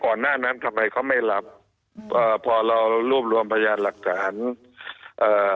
หน้านั้นทำไมเขาไม่หลับเอ่อพอเรารวบรวมพยานหลักฐานเอ่อ